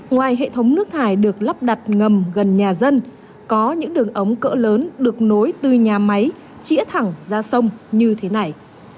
ngoài hệ thống nước thải được lắp đặt ngầm gần nhà dân có những đường ống cỡ lớn được nối từ nhà máy chĩa thẳng ra sông như thế này